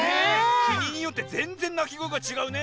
国よってぜんぜんなきごえがちがうね。